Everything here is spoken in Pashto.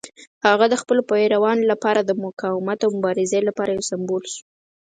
هغه د خپلو پیروانو لپاره د مقاومت او مبارزې لپاره یو سمبول شو.